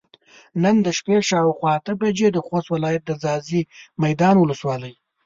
نن د شپې شاوخوا اته بجې د خوست ولايت د ځاځي ميدان ولسوالۍ